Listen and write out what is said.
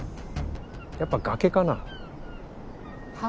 やっぱ崖かな？は？